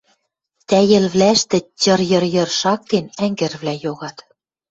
Тӓйӹлвлӓштӹ тьыр-йыр-йыр шактен, ӓнгӹрвлӓ йогат.